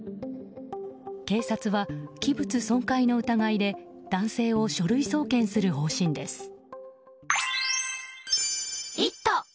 警察は器物損壊の疑いで男性を書類送検する方針です。